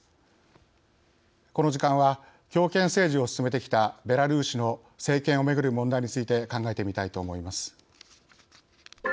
この時間は強権政治を進めてきたベラルーシの政権をめぐる問題について考えてみたいと思います。